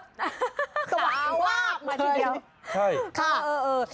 ดำว่าก็เอาออกมาทีเดียว